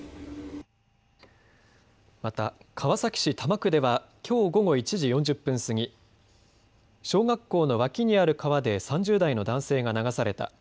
また川崎市多摩区ではきょう午後１時４０分過ぎ、小学校の脇にある川で３０代の男性が流された。